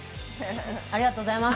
ありがとうございます。